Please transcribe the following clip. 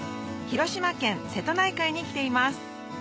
広島県瀬戸内海に来ています